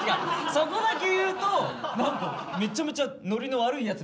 そこだけ言うと何かめちゃめちゃノリの悪いやつみたいに。